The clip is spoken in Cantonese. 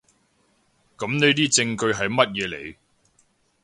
噉呢啲證據喺乜嘢嚟？